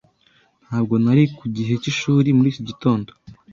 Ntabwo nari ku gihe cyishuri muri iki gitondo.